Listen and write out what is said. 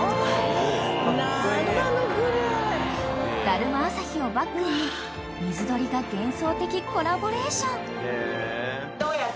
［だるま朝日をバックに水鳥が幻想的コラボレーション］